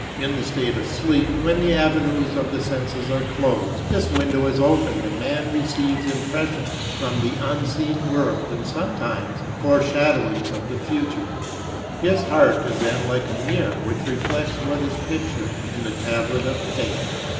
In the state of sleep, when the avenues of the senses are closed, this window is opened and man receives impressions from the unseen world and sometimes foreshadowings of the future. His heart is then like a mirror which reflects what is pictured in the Tablet of Fate.